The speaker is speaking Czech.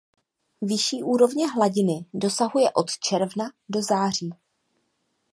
Vyšší úrovně hladiny dosahuje od června do září.